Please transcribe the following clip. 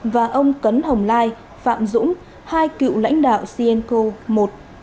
và ông cấn hồng lai phạm dũng hai cựu lãnh đạo cenco một